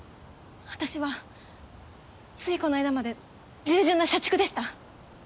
私はついこの間まで従順な社畜でした。